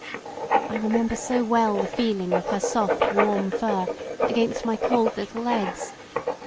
I remember so well the feeling of her soft warm fur against my cold little legs.